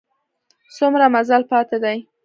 څومره مزل پاته دی؟